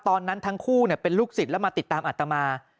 ตอนนั้นทั้งคู่เป็นลูกศิษย์แล้วมาติดตามอัตมา